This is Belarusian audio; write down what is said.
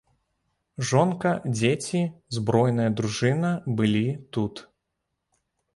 Жонка, дзеці, збройная дружына былі тут.